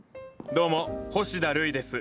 どうも星田類です。